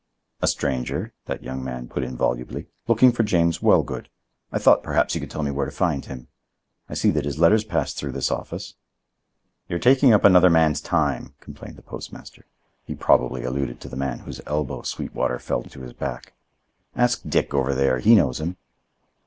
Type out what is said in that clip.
"A stranger," that young man put in volubly, "looking for James Wellgood. I thought, perhaps, you could tell me where to find him. I see that his letters pass through this office." "You're taking up another man's time," complained the postmaster. He probably alluded to the man whose elbow Sweetwater felt boring into his back. "Ask Dick over there; he knows him."